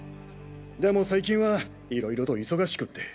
でも最近は色々と忙しくって。